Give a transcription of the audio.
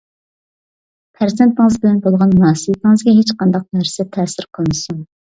پەرزەنتىڭىز بىلەن بولغان مۇناسىۋىتىڭىزگە ھېچقانداق نەرسە تەسىر قىلمىسۇن.